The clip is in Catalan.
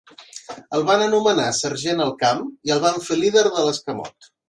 El van anomenar sergent al camp i el van fer líder de l'escamot.